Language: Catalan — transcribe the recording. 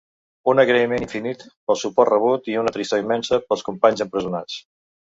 Un agraïment infinit pel suport rebut i una tristor immensa pels companys empresonats.